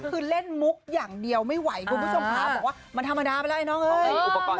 คือเล่นมุกอย่างเดียวไม่ไหวคุณผู้ชมค่ะบอกว่ามันธรรมดาไปแล้วไอน้องเอ้ย